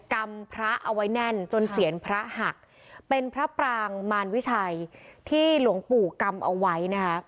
ำพระเอาไว้แน่นจนเสียนพระหักเป็นพระปรางมารวิชัยที่หลวงปู่กำเอาไว้นะคะ